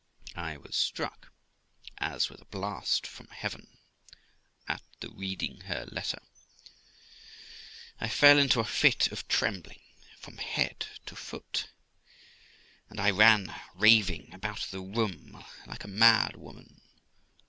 I was struck, as with a blast from heaven, at the reading her letter; I fell into a fit of trembling from head to foot, and I ran raving about the room like a mad woman.